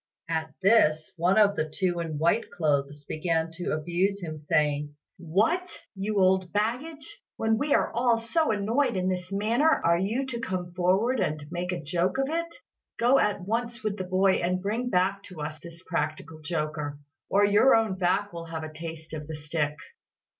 At this, one of the two in white clothes began to abuse him saying, "What! you old baggage, when we are all so annoyed in this manner, are you to come forward and make a joke of it? Go at once with the boy and bring back to us this practical joker, or your own back will have a taste of the stick."